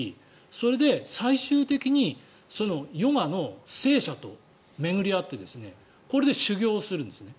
それで最終的にヨガの聖者と巡り会ってこれで修行するんですね。